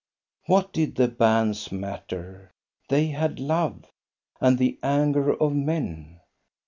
What did the banns matter? They had love. And the anger of men